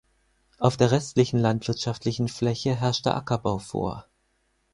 Auf der restlichen landwirtschaftlichen Fläche herrscht der Ackerbau vor.